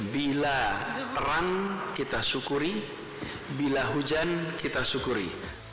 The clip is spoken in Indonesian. bila terang kita syukuri bila hujan kita syukuri